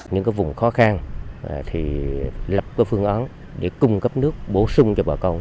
những vùng khó khăn thì lập phương án để cung cấp nước bổ sung cho bà con